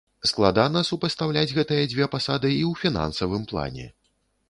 Складана супастаўляць гэтыя дзве пасады і ў фінансавым плане.